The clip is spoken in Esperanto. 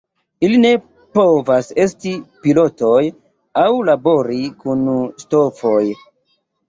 Ili ne povas esti pilotoj aŭ labori kun ŝtofoj.